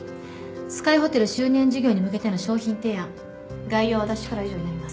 スカイホテル周年事業に向けての商品提案概要は私からは以上になります。